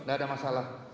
tidak ada masalah